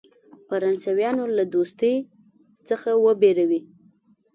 فرانسویانو له دوستی څخه وبېروي.